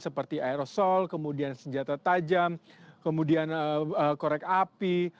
seperti aerosol kemudian senjata tajam kemudian korek api